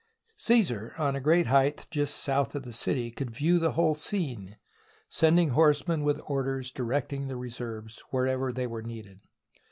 Caesar, on a great height just south of the city, could view the whole scene, sending horsemen with orders directing the reserves wherever they were needed.